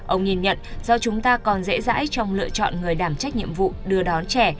ông nhìn nhận do chúng ta còn dễ dãi trong lựa chọn người đảm trách nhiệm vụ đưa đón trẻ